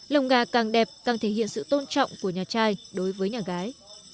lồng gà càng đẹp càng thể hiện sự tôn trọng của nhà trai đối với nhà gái